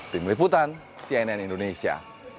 tim liputan cnn indonesia